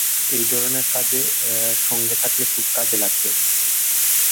এই ধরণের কাজে সঙ্গে থাকলে, খুব কাজে লাগবে।